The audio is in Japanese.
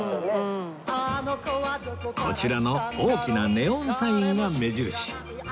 こちらの大きなネオンサインが目印